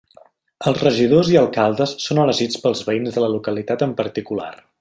Els regidors i alcaldes són elegits pels veïns de la localitat en particular.